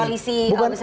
koalisi besar ini